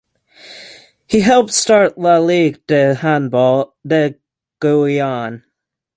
He helped start La Ligue de Handball de Guyane.